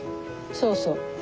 そうそう。